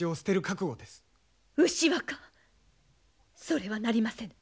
それはなりませぬ。